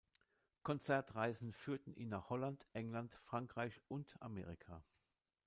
Konzertreisen führten ihn nach Holland, England, Frankreich und Amerika.